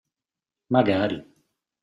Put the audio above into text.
Magari!